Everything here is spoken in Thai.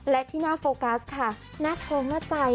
และที่น่าโฟกัสค่ะหน้าท้องหน้าใจ